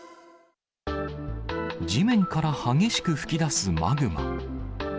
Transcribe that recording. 地面から激しく噴き出すマグマ。